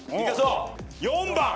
４番。